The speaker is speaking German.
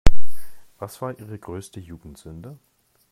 Was war Ihre größte Jugendsünde?